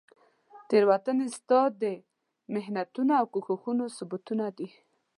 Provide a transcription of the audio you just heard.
تیروتنې ستا د محنتونو او کوښښونو ثبوتونه دي.